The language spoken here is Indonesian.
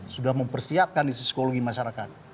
sudah mempersiapkan di psikologi masyarakat